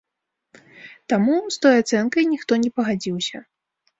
Таму з той ацэнкай ніхто не пагадзіўся.